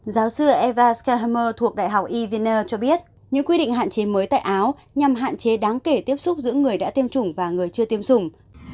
giáo sư eva skhammer thuộc đại học e vienner cho biết những quy định hạn chế mới tại áo nhằm hạn chế đáng kể tiếp xúc giữa người đã tiêm chủng và người chưa tiêm chủng